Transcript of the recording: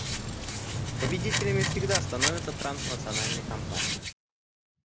Победителями всегда становятся транснациональные компании.